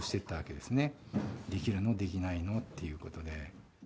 できるの、できないのということで。